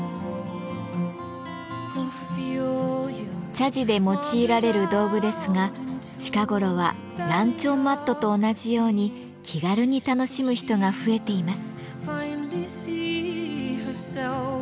茶事で用いられる道具ですが近頃は「ランチョンマット」と同じように気軽に楽しむ人が増えています。